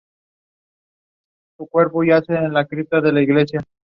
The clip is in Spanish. Reacciona con el agua para producir dióxido de telurio y ácido clorhídrico.